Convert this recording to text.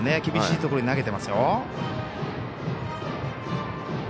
厳しいところに投げていますよ。